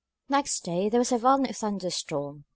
Next day there was a violent thunder storm.